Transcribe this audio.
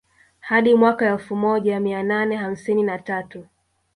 Hadi mwaka wa elfu moja mia nane hamsini na tatu